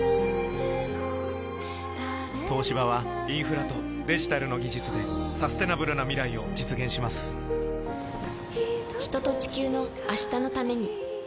東芝はインフラとデジタルの技術でサステナブルな未来を実現します人と、地球の、明日のために。